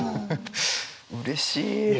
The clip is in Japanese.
うれしい。